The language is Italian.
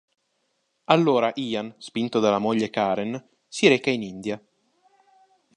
Allora Ian, spinto dalla moglie Karen, si reca in India.